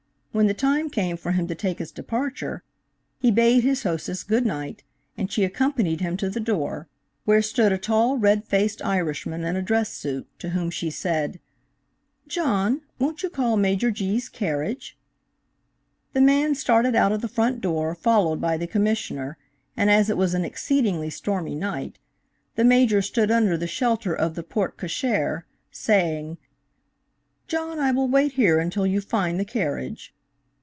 When the time came for him to take his departure he bade his hostess good night and she accompanied him to the door, where stood a tall red faced Irishman in a dress suit, to whom she said "John, won't you call Major G.'s carriage?" The man started out of the front door followed by the Commissioner and as it was an exceedingly stormy night, the Major stood under the shelter of the porte cochère, saying: "John, I will wait here until you find the carriage."